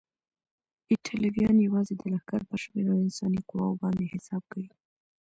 ایټالویان یوازې د لښکر پر شمېر او انساني قواوو باندې حساب کوي.